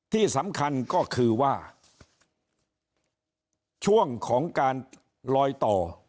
ที่สำคัญก็คือว่าช่วงของการลอยต่อ